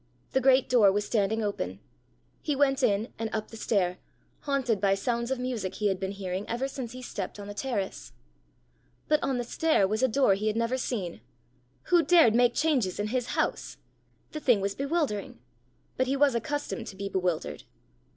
The great door was standing open: he went in, and up the stair, haunted by sounds of music he had been hearing ever since he stepped on the terrace. But on the stair was a door he had never seen! Who dared make changes in his house? The thing was bewildering! But he was accustomed to be bewildered.